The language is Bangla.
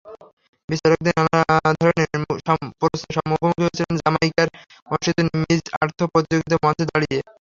বিচারকদের নানা ধরনের প্রশ্নের মুখোমুখি হয়েছিলেন জ্যামাইকায় অনুষ্ঠিত মিজ আর্থ প্রতিযোগিতার মঞ্চে দাঁড়িয়ে।